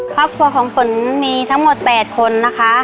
ครอบครัวของฝนมีทั้งหมด๘คนนะคะ